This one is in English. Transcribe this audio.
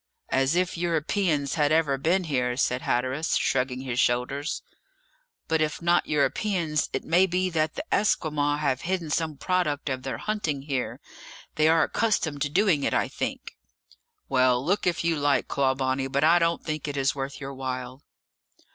"As if Europeans had ever been here!" said Hatteras, shrugging his shoulders. "But if not Europeans, it may be that the Esquimaux have hidden some product of their hunting here. They are accustomed to doing it, I think." "Well, look if you like, Clawbonny, but I don't think it is worth your while."